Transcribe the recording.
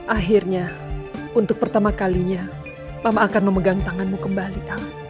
akhirnya untuk pertama kalinya pama akan memegang tanganmu kembali